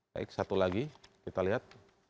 baik satu lagi kita lihat